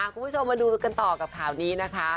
คุณผู้ชมมาดูกันต่อกับข่าวนี้นะคะ